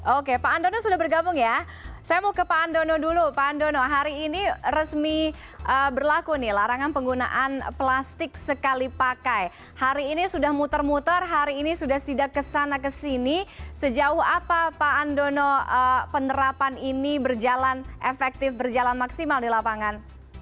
oke pak andono sudah bergabung ya saya mau ke pak andono dulu pak andono hari ini resmi berlaku nih larangan penggunaan plastik sekali pakai hari ini sudah muter muter hari ini sudah tidak kesana kesini sejauh apa pak andono penerapan ini berjalan efektif berjalan maksimal di lapangan